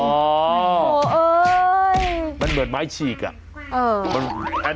โอ้โหมันเหมือนไม้ฉีกอ่ะ